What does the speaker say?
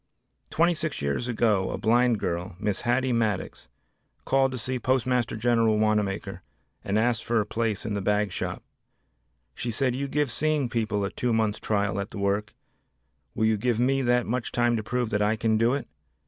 Twenty six years ago a blind girl, Miss Hattie Maddox, called to see Postmaster General Wanamaker and asked for a place in the bag shop. She said, "You give seeing people a two months' trial at the work, will you give me that much time to prove that I can do it?"